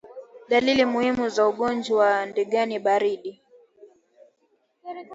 Dalili muhimu za ugonjwa wa ndigana baridi